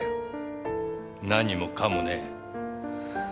何もかもね。